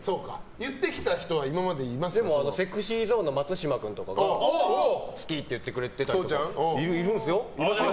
言ってきた人はＳｅｘｙＺｏｎｅの松島君とかが好きって言ってくれたりとか。